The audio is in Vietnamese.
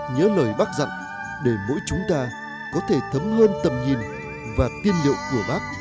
nhớ lời bác dặn để mỗi chúng ta có thể thấm hơn tầm nhìn và tiên liệu của bác